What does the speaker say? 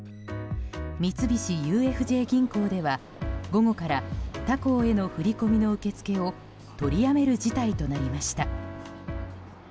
三菱ＵＦＪ銀行では午後から他行への振り込みの受け付けを取りやめる事態となりました。